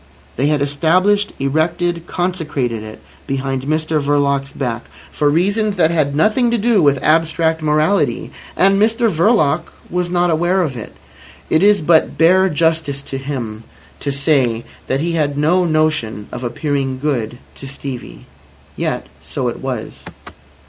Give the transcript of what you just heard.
They had established, erected, consecrated it behind Mr Verloc's back, for reasons that had nothing to do with abstract morality. And Mr Verloc was not aware of it. It is but bare justice to him to say that he had no notion of appearing good to Stevie. Yet so it was.